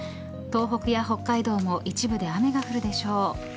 東北や北海道も一部で雨が降るでしょう。